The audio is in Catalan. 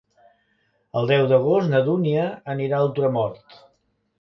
El deu d'agost na Dúnia anirà a Ultramort.